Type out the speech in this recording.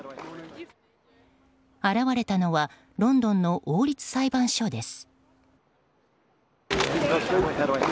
現れたのはロンドンの王立裁判所です。